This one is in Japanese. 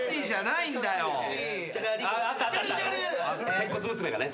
鉄骨娘がね。